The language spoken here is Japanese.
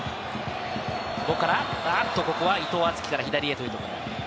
ここから、おっとここは伊藤敦樹から左へというところ。